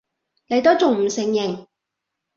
你都仲唔承認！